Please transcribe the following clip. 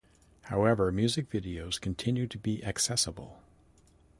However, music videos continue to be accessible.